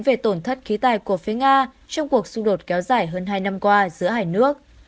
về tổn thất khí tài của phía nga trong cuộc xung đột kéo dài hơn hai năm qua giữa hai nước